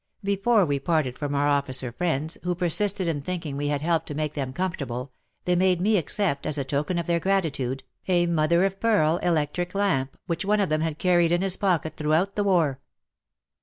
Before we parted from our officer friends, who persisted in thinking we had helped to make them comfortable, they made me accept, as a token of their gratitude, a mother of pearl 56 WAR AND WOMEN electric lamp which one of them had carried in his pocket throughout the war.